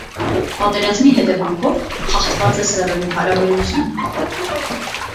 Պատերազմի հետեւանքով խախտուած է սեռերու հարաբերութիւնը։